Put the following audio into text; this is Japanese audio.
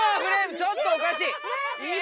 ちょっとおかしい！